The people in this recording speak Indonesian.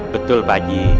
betul pak haji